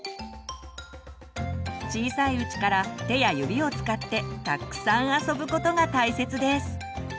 小さいうちから手や指を使ってたっくさん遊ぶことが大切です。